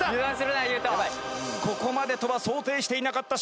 ここまでとは想定していなかった。